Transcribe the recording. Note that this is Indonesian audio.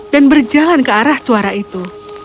dan berjalan ke arah suara itu